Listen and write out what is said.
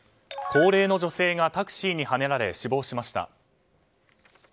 高齢の女性がタクシーにはねられ死亡しました。